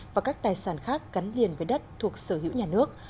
và các tài sản khác gắn liền với đất thuộc sở hữu nhà nước